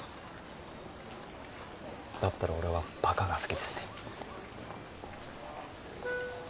だったら俺はバカが好きですね。